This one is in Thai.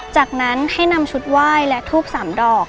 จากนั้นให้นำชุดไหว้และทูบ๓ดอก